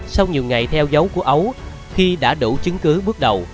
sau nhiều ngày theo dấu của ấu khi đã đủ chứng cứ bước đầu